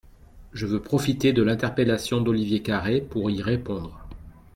Je veux profiter de l’interpellation d’Olivier Carré pour y répondre.